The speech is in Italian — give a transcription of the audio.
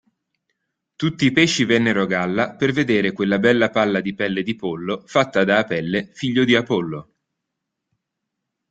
Tutti i pesci vennero a galla per vedere quella bella palla di pelle di pollo fatta da Apelle, figlio di Apollo.